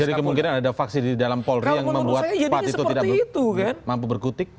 jadi kemungkinan ada paksi di dalam polri yang membuat pak tito tidak mampu berkutik